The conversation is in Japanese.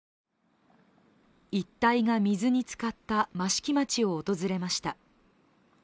一帯が水につかった益城町を訪れました。